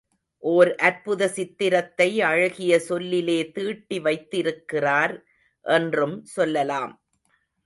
ஓர் அற்புத சித்திரத்தை அழகிய சொல்லிலே தீட்டி வைத்திருக்கிறார் என்றும் சொல்லலாம்.